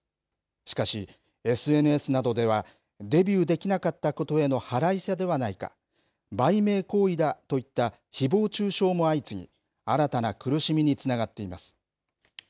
しかし、ＳＮＳなどでは、デビューできなかったことへの腹いせではないか、売名行為だといったひぼう中傷も相次ぎ、新たな苦しみにつながっています。